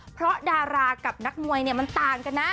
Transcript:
เพราะดารากับนักมวยมันต่าง